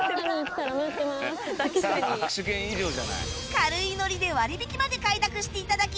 軽いノリで割引きまで快諾して頂き